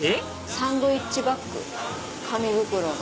サンドイッチバッグ紙袋の。